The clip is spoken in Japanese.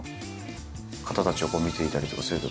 方たちを見ていたりとかすると。